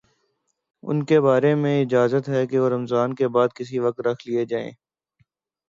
ان کے بارے میں اجازت ہے کہ وہ رمضان کے بعد کسی وقت رکھ لیے جائیں